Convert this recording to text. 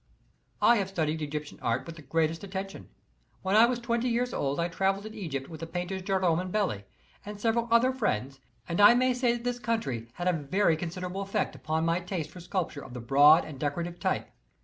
I have studied Egyptian art with the greatest atten tion. When I was twenty years old I traveled in Egypt with the painters Gerome and Belly, and several other friends, and I may say that this country had a very con siderable effect upon my taste for sculpture of the broad and decorative type.